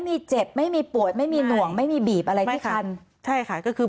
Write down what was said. เจ็บไม่มีปวดไม่มีหน่วงไม่มีบีบอะไรที่คันใช่ค่ะก็คือ